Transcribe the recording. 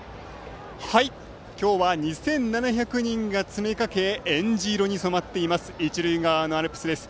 今日は２７００人が詰め掛けえんじ色に染まっている一塁側のアルプスです。